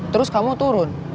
terus kamu turun